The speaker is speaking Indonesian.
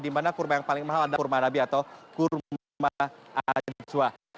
dimana kurma yang paling mahal adalah kurma nabi atau kurma adik suah